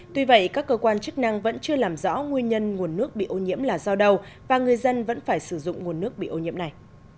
tuy vậy các cơ quan chức năng vẫn chưa làm rõ nguyên nhân nguồn nước bị ô nhiễm là do đầu và người dân vẫn phải sử dụng nguồn nước bị ô nhiễm này